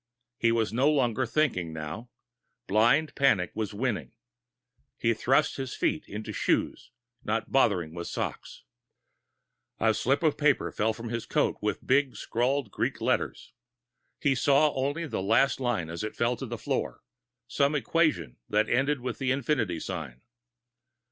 He was no longer thinking, now. Blind panic was winning. He thrust his feet into shoes, not bothering with socks. A slip of paper fell from his coat, with big sprawled Greek letters. He saw only the last line as it fell to the floor some equation that ended with an infinity sign.